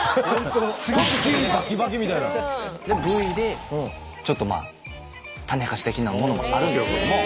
Ｖでちょっとまあ種明かし的なものもあるんですけども。